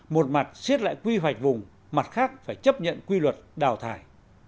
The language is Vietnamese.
một mặt xiết lại quy hoạch vùng mặt khác phải chấp nhận quy luật đào thải